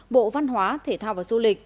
bộ văn hóa thể thao và du lịch